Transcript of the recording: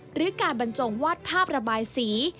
หรือการบรรจงวาดภาพระบายสี